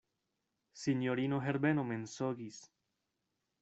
Sinjorino Herbeno mensogis.